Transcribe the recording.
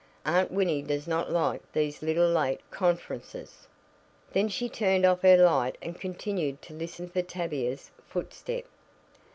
"Aunt Winnie does not like these little late conferences." Then she turned off her light and continued to listen for Tavia's footstep.